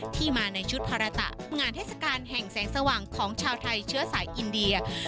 ที่มาในชุดภาระตะงานเทศกาลแห่งแสงสว่างของชาวไทยเชื้อสายอินเดีย